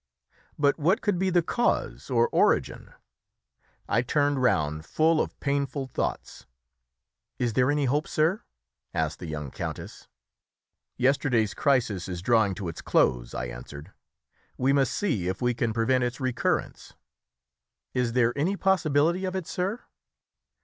But what could be the cause or origin? I turned round full of painful thoughts. "Is there any hope, sir?" asked the young countess. "Yesterday's crisis is drawing to its close," I answered; "we must see if we can prevent its recurrence." "Is there any possibility of it, sir?"